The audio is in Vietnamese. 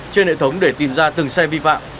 trên hệ thống để tìm ra từng xe vi phạm